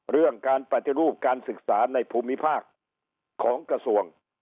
เรื่องการปฏิรูปการศึกษาในภูมิภาคของกระทรวง